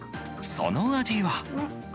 その味は。